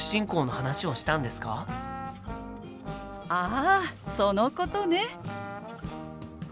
あそのことね！